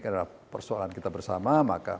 adalah persoalan kita bersama